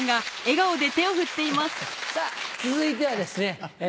さぁ続いてはですね